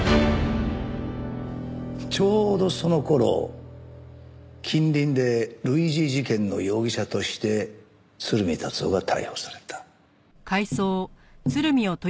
ちょうどその頃近隣で類似事件の容疑者として鶴見達男が逮捕された。